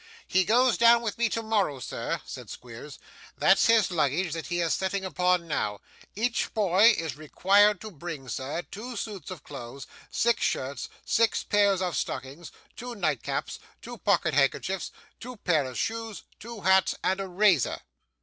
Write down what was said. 'He goes down with me tomorrow, sir,' said Squeers. 'That's his luggage that he is a sitting upon now. Each boy is required to bring, sir, two suits of clothes, six shirts, six pair of stockings, two nightcaps, two pocket handkerchiefs, two pair of shoes, two hats, and a razor.